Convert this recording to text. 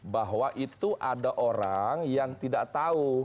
bahwa itu ada orang yang tidak tahu